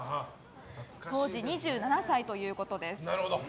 当時２７歳ということです。